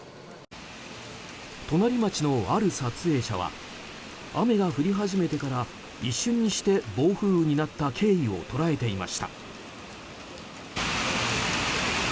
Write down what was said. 隣町の、ある撮影者は雨が降り始めてから一瞬にして暴風雨になった経緯を捉えていました。